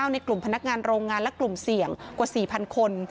ในกลุ่มพนักงานโรงงานและกลุ่มเสี่ยงกว่า๔๐๐คน